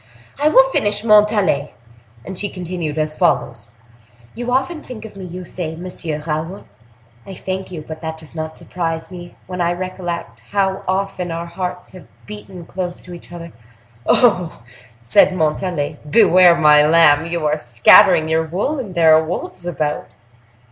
"I will finish, Montalais," and she continued as follows: "You often think of me, you say, Monsieur Raoul: I thank you; but that does not surprise me, when I recollect how often our hearts have beaten close to each other." "Oh! oh!" said Montalais. "Beware, my lamb! You are scattering your wool, and there are wolves about."